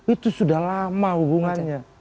itu sudah lama hubungannya